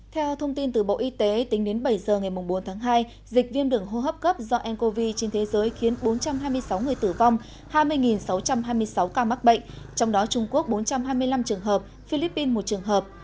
theo thông tin từ bộ y tế tính đến bảy giờ ngày bốn tháng hai dịch viêm đường hô hấp cấp do ncov trên thế giới khiến bốn trăm hai mươi sáu người tử vong hai mươi sáu trăm hai mươi sáu ca mắc bệnh trong đó trung quốc bốn trăm hai mươi năm trường hợp philippines một trường hợp